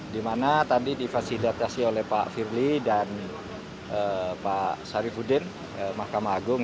di mana tadi difasilitasi oleh pak firly dan pak sarifudin mahkamah agung